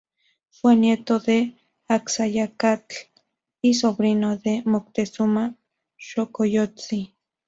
Fue nieto de Axayácatl y sobrino de Moctezuma Xocoyotzin.